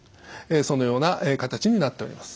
そのような形になっております。